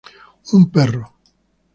Un perro.